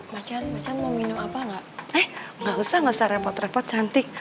macan macan mau minum apa nggak eh nggak usah nggak usah repot repot cantik